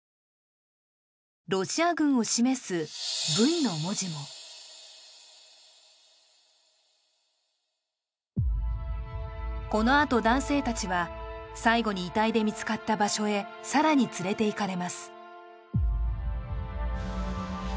ロシア軍を示す「Ｖ」の文字もこのあと男性たちは最後に遺体で見つかった場所へさらに連れていかれます